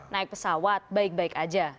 naik pesawat baik baik aja